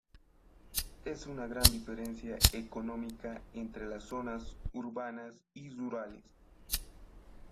Es una gran diferencia económica entre las zonas urbanas y rurales.